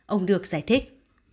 ông được giải thích